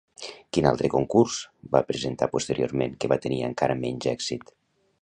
Quin altre concurs va presentar posteriorment que va tenir encara menys èxit?